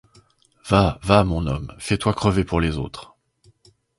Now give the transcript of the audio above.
Va, va, mon homme, fais-toi crever pour les autres.